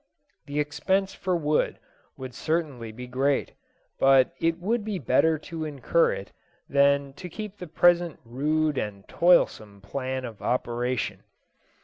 The expense for wood would certainly be great, but it would be better to incur it than keep to the present rude and toilsome plan of operation.